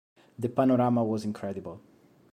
The panorama was incredible.